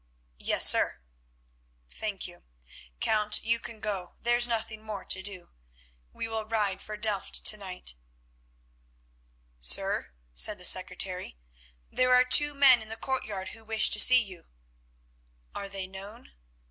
"Yes, sir." "Thank you, Count, you can go; there is nothing more to do. We will ride for Delft to night." "Sir," said the secretary, "there are two men in the courtyard who wish to see you." "Are they known?"